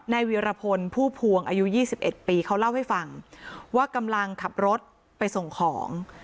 วีรพลผู้พวงอายุ๒๑ปีเขาเล่าให้ฟังว่ากำลังขับรถไปส่งของ